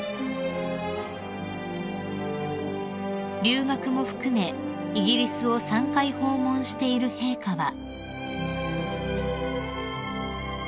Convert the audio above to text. ［留学も含めイギリスを３回訪問している陛下は］